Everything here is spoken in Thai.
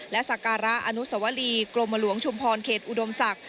และสักการะอนุสวรีกรมหลวงชุมพรเขตอุดมศักดิ์